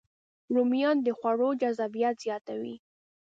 رومیان د خوړو جذابیت زیاتوي